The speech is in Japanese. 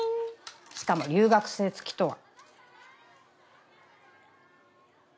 しかも留学生付きとは。